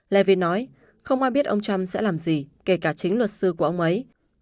levin nói không ai biết ông trump sẽ làm gì kể cả chính luật sư của ông ấy